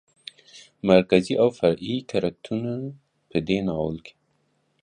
مرکزي او فرعي کرکترونو په دې ناول کې